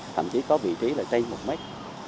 thậm chí có vị trí là trên một mét